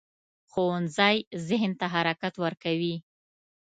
ښوونځی ذهن ته حرکت ورکوي